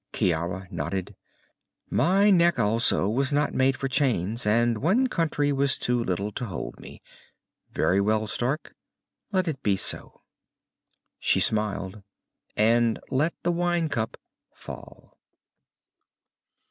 Ciara nodded. "My neck, also, was not made for chains, and one country was too little to hold me. Very well, Stark. Let it be so." She smiled, and let the wine cup fall.